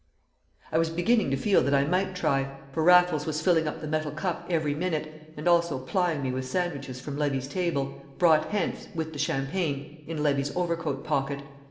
I was beginning to feel that I might try, for Raffles was filling up the metal cup every minute, and also plying me with sandwiches from Levy's table, brought hence (with the champagne) in Levy's overcoat pocket.